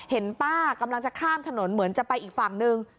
เห็นป้ากำลังจะข้ามถนนเหมือนจะไปอีกฝั่งนึง